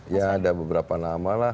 ya ada beberapa nama lah